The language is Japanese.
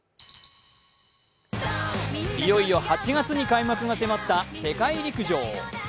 いよいよ８月に開幕が迫った世界陸上。